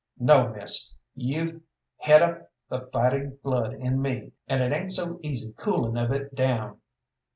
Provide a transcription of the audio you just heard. No, miss; you've het up the fightin' blood in me, and it ain't so easy coolin' of it down."